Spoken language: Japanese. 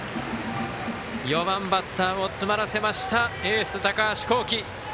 ４番バッターを詰まらせましたエース、高橋煌稀。